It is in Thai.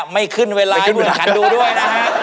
ไม่ขึ้นเวลาให้เพื่อนค้านดูด้วยนะฮะ